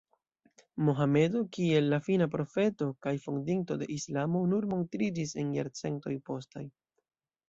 Mohamedo kiel la Fina Profeto kaj fondinto de islamo nur montriĝis en jarcentoj postaj.